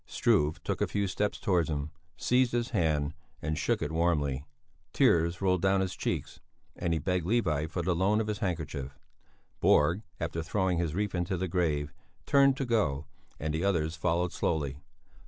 Struve took a few steps towards him, seized his hand, and shook it warmly; tears rolled down his cheeks, and he begged Levi for the loan of his handkerchief. Borg, after throwing his wreath into the grave, turned to go, and the others followed slowly.